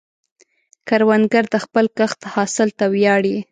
کروندګر د خپل کښت حاصل ته ویاړي